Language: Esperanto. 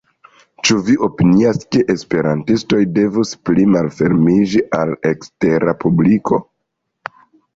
Ĉu vi opinias ke esperantistoj devus pli malfermiĝi al ekstera publiko?